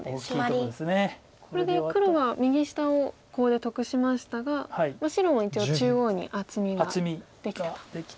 これで黒は右下をコウで得しましたが白も一応中央に厚みができたと。